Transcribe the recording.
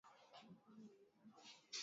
Tuandike sentensi ndefu.